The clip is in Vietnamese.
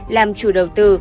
làm chủ đầu tư